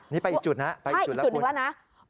นี่ไปอีกจุดนะไปอีกจุดแล้วคุณใช่อีกจุดหนึ่งแล้วนะ